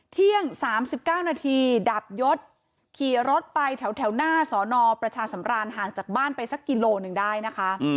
เที่ยง๓๙นาทีดาบยศขี่รถไปแถวหน้าสอนอประชาสำรานห่างจากบ้านไปสักกิโลหนึ่งได้นะคะ